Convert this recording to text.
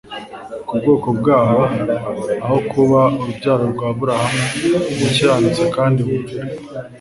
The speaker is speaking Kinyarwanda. ku bwoko bwabo aho kuba urubyaro rwa Aburahamu umukiranutsi kandi wumvira.